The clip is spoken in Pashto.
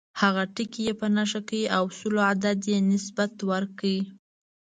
هغه ټکی یې په نښه کړ او سلو عدد یې نسبت ورکړ.